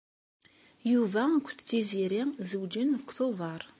Yuba akked Tiziri zewǧen deg Tubeṛ.